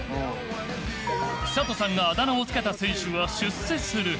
寿人さんがあだ名を付けた選手は出世する。